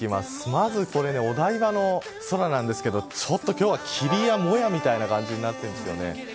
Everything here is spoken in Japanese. まずお台場の空なんですがちょっと今日は霧やもやみたいな感じになっているんですよね。